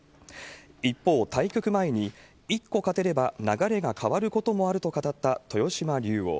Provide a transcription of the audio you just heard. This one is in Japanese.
一方、対局前に１個勝てれば流れが変わることもあると語った豊島竜王。